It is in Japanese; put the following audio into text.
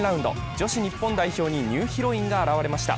女子日本代表にニューヒロインが現れました。